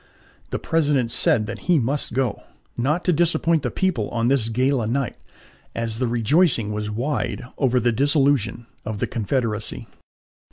The President said that he must go, not to disappoint the people on this gala night, as the rejoicing was wide over the dissolution of the Confederacy.